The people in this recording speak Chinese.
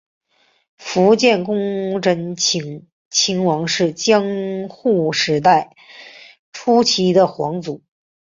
伏见宫贞清亲王是江户时代初期的皇族。